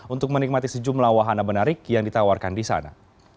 untuk menikmati sejumlah wahana menarik yang ditawarkan di sana